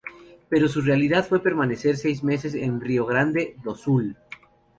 Pero su realidad fue permanecer seis meses en Rio Grande do Sul.